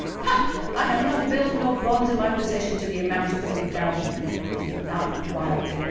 ha! I have not bills nor bonds in my possession to the amount of three thousand!"—and he laughed wildly.